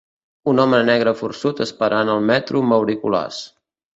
Un home negre forçut esperant el metro amb auriculars.